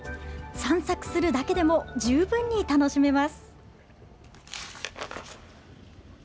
散策するだけでも十分に楽しめます。